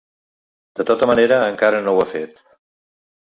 De tota manera, encara no ho ha fet.